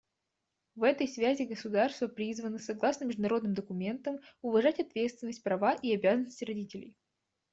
В этой связи государства призваны, согласно международным документам, уважать ответственность, права и обязанности родителей.